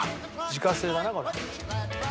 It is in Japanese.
自家製だなこれ。